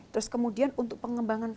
terus kemudian untuk pengembangan